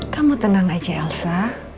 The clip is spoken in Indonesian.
kamu tenang aja elsa